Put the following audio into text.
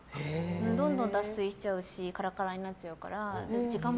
どんどん脱水しちゃうしカラカラになっちゃうから。